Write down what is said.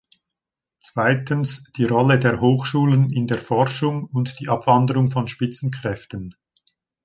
Zweitens, die Rolle der Hochschulen in der Forschung und die Abwanderung von Spitzenkräften.